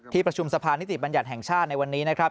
ประชุมสะพานิติบัญญัติแห่งชาติในวันนี้นะครับ